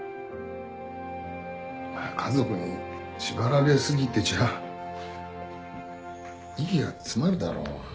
家族に縛られ過ぎてちゃ息が詰まるだろ。